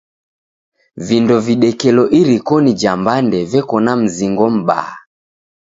Vindo videkelo irikonyi ja mbande veko na mzingo m'baa.